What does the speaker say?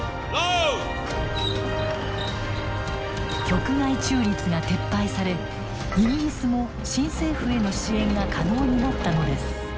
局外中立が撤廃されイギリスも新政府への支援が可能になったのです。